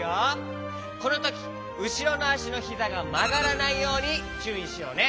このときうしろのあしのヒザがまがらないようにちゅういしようね。